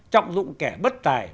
trọng dụng kẻ bất tài